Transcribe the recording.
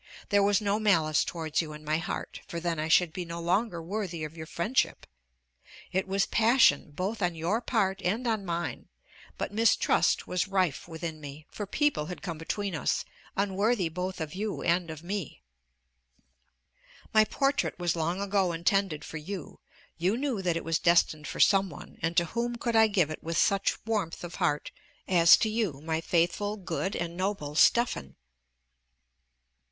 There was no malice towards you in my heart, for then I should be no longer worthy of your friendship. It was passion both on your part and on mine; but mistrust was rife within me, for people had come between us, unworthy both of you and of me. My portrait was long ago intended for you; you knew that it was destined for some one and to whom could I give it with such warmth of heart, as to you, my faithful, good, and noble Stephan?